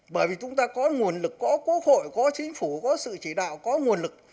bởi vì chúng ta có nguồn lực có quốc hội có chính phủ có sự chỉ đạo có nguồn lực